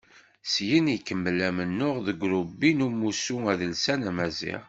Syin ikemmel amennuɣ deg urebbi n umussu adelsan amaziɣ.